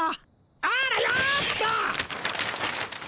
あらよっと！